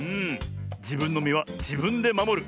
じぶんのみはじぶんでまもる。